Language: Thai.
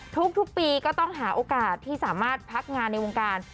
ทุกปีก็ต้องหาโอกาสที่สามารถพักงานในวงการ